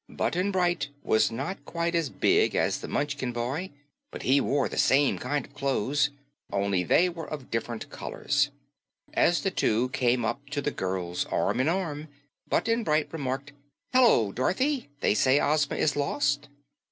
Button Bright was not quite as big as the Munchkin boy, but he wore the same kind of clothes, only they were of different colors. As the two came up to the girls, arm in arm, Button Bright remarked, "Hello, Dorothy. They say Ozma is lost."